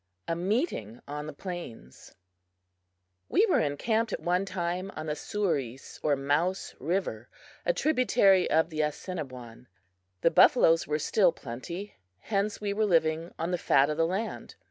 A Meeting on the Plains WE were encamped at one time on the Souris or Mouse river, a tributary of the Assiniboine. The buffaloes were still plenty; hence we were living on the "fat of the land."